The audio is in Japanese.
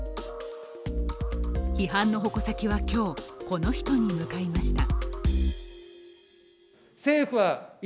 批判の矛先は今日、この人に向かいました。